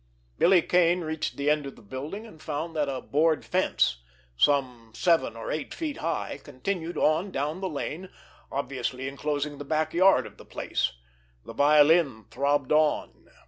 Billy Kane reached the end of the building, and found that a board fence, some seven or eight feet high, continued on down the lane, obviously enclosing the back yard of the place. The violin throbbed on.